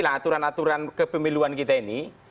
nah aturan aturan kepemiluan kita ini